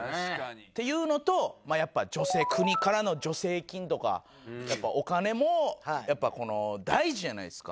っていうのとやっぱ助成国からの助成金とかお金もやっぱ大事じゃないですか。